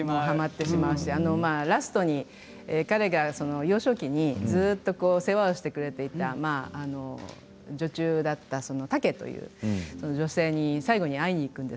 はまってしまうしラストに彼が幼少期にずっと世話をしてくれていた女中だったたけという女性に最後に会いに行くんですけど。